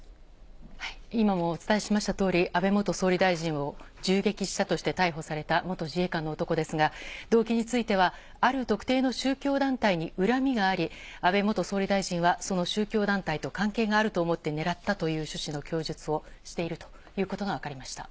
今もお伝えしましたとおり、安倍元総理大臣を銃撃したとして逮捕された元自衛官の男ですが、動機については、ある特定の宗教団体に恨みがあり、安倍元総理大臣はその宗教団体と関係があると思って狙ったという趣旨の供述をしているということが分かりました。